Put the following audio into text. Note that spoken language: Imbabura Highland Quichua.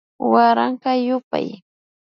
Waranka yupay